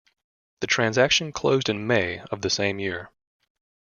The transaction closed in May of the same year.